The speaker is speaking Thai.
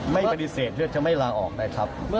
ไม่ปฏิเสธเลือดจะไม่ลาออกนะครับ